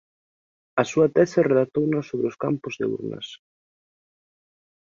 A súa tese redactouna sobre os campos de urnas.